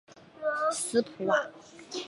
斯普瓦。